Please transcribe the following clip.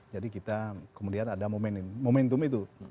jadi kita kemudian ada momentum itu